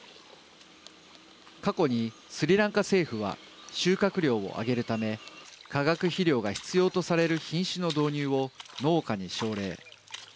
過去に、スリランカ政府は収穫量を上げるため化学肥料が必要とされる品種の導入を農家に奨励。